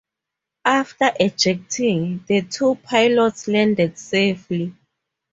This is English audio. After ejecting, the two pilots landed safely.